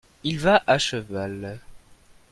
il va à cheval.